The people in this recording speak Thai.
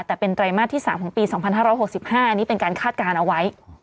แต่เป็นไตรมาสที่๓ของปี๒๕๖๕อันนี้เป็นการคาดการณ์เอาไว้